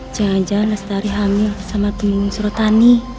jangan jangan astari hamil sama teman suratani